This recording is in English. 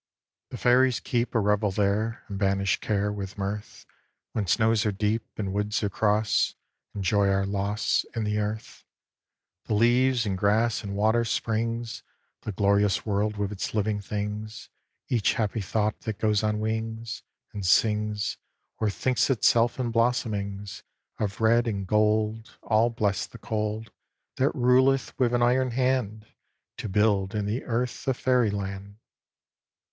The Fairies keep A revel there, And banish care With mirth; When snows are deep, And woods are cross, Enjoy our loss In the Earth; The leaves and grass and water springs, The glorious world with its living things, Each happy thought that goes on wings, And sings, Or thinks itself in blossomings Of red and gold, All bless the cold, That ruleth with an iron hand To build in the Earth a Fairyland.